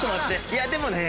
いやでもね。